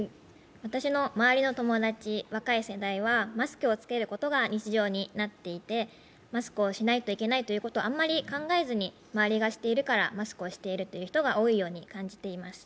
私の周りの友達、若い世代はマスクを着けることが日常になっていてマスクをしないといけないということをあんまり考えずに、周りがしているからマスクをしているという人が多いように感じています。